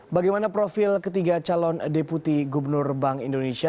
bagaimana profil ketiga calon deputi gubernur bank indonesia